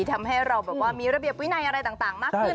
ทำให้เราแบบว่ามีระเบียบวินัยอะไรต่างมากขึ้น